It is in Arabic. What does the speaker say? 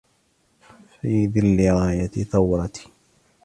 في ظل راية ثورتي